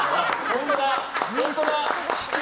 本当だ！